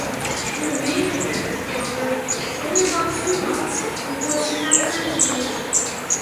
He remained there, however, only about two months, when he was transferred to Vienna.